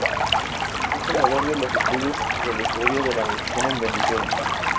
Fue el fundador de los estudios de la Historia de la Medicina en Venezuela.